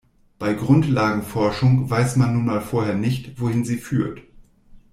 Bei Grundlagenforschung weiß man nun mal vorher nicht, wohin sie führt.